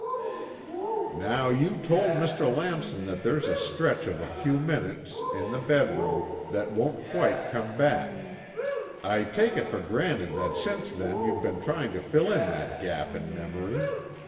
"Now you told Mr. Lamson that there's a stretch of a few minutes, in the bedroom, that won't quite come back. I take it for granted that since then you've been trying to fill in that gap in memory.